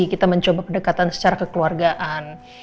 kita mencoba pendekatan secara kekeluargaan